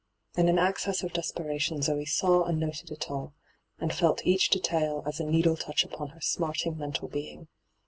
In an access of desperation Zee saw and noted it all, and felt eaoh detail as a needle touch upon her smarting mental being.